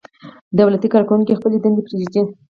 دولتي کارکوونکي خپلې دندې پرېږدي.